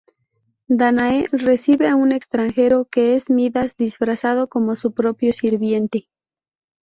Dánae recibe a un extranjero que es Midas disfrazado como su propio sirviente.